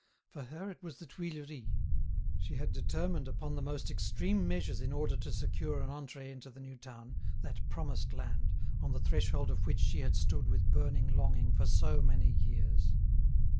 For her it was the Tuileries. She had determined upon the most extreme measures in order to secure an entree into the new town, that promised land, on the threshold of which she had stood with burning longing for so many years.